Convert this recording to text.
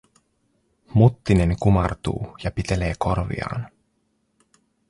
Muttinen kumartuu ja pitelee korviaan.